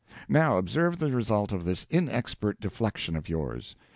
Now observe the result of this inexpert deflection of yours.